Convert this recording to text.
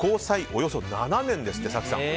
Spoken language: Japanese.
およそ７年ですって早紀さん。